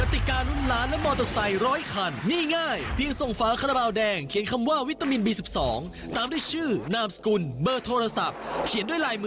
แต่ถ้าเกิดว่ายังไม่มั่นใจกติกา